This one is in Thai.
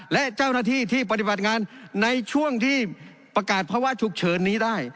และเจ้าหน้าที่ที่ปฏิบัติงานในช่วงที่ประกาศภาวะฉุกเฉินนี้ได้